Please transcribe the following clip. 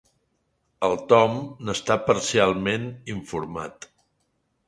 El Tom n'està parcialment informat.